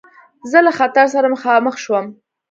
زه له خطر سره مخامخ شوم.